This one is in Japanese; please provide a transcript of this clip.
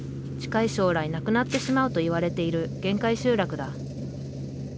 近い将来なくなってしまうといわれている限界集落だ。